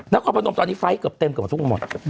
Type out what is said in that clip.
นครพนมตอนนี้ไฟล์ทเต็มเกือบทุกคนหมด